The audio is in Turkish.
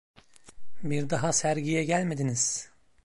Bir daha sergiye gelmediniz!